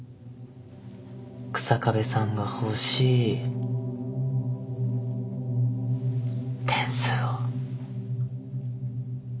日下部さんが欲しい点数を。